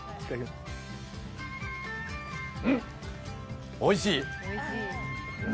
うん、おいしい！